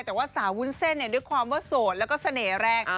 แต่ว่าสาววุ้นเส้นด้วยความว่าโสดแล้วก็เสน่ห์แรง